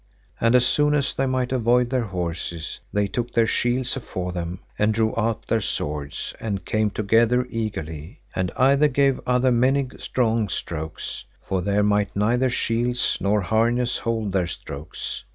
And as soon as they might avoid their horses, they took their shields afore them, and drew out their swords, and came together eagerly, and either gave other many strong strokes, for there might neither shields nor harness hold their strokes.